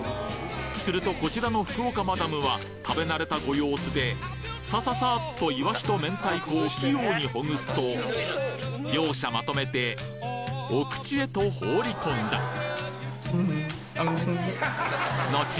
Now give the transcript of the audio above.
するとこちらの福岡マダムは食べなれたご様子でサササッといわしと明太子を器用にほぐすと両者まとめてお口へと放り込んだのち